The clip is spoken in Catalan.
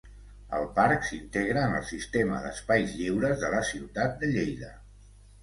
El parc s'integra en el sistema d’espais lliures de la ciutat de Lleida.